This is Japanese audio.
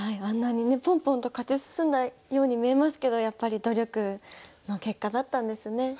あんなにねポンポンと勝ち進んだように見えますけどやっぱり努力の結果だったんですね。